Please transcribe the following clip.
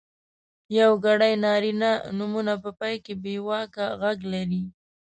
یوګړي نرينه نومونه په پای کې بېواکه غږ لري.